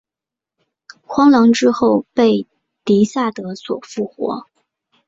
荒狼之后被狄萨德所复活。